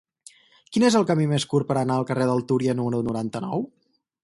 Quin és el camí més curt per anar al carrer del Túria número noranta-nou?